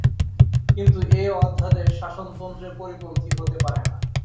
কিন্তু এ অধ্যাদেশ শাসনতন্ত্রের পরিপন্থী হতে পারে না।